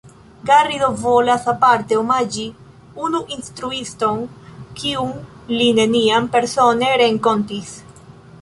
Garrido volas aparte omaĝi unu instruiston, kiun li neniam persone renkontis.